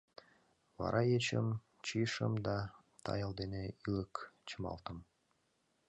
Вара ечым чийышым да тайыл дене ӱлык чымалтым.